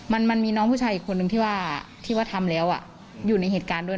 มันมันมีน้องผู้ชายอีกคนนึงที่ว่าที่ว่าทำแล้วอยู่ในเหตุการณ์ด้วย